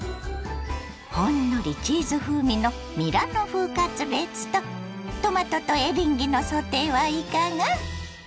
ほんのりチーズ風味のミラノ風カツレツとトマトとエリンギのソテーはいかが？